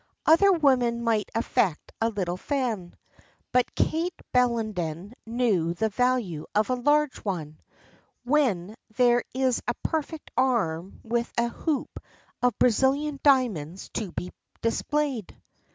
Other women might affect a little fan, but Kate Bellenden knew the value of a large one, when there is a perfect arm with a hoop of Brazilian diamonds to be displayed.